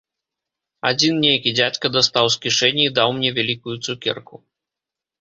Адзін нейкі дзядзька дастаў з кішэні і даў мне вялікую цукерку.